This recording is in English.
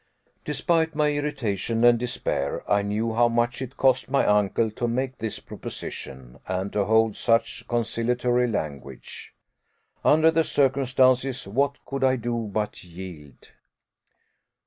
Despite my irritation and despair, I knew how much it cost my uncle to make this proposition, and to hold such conciliatory language. Under the circumstances, what could I do but yield?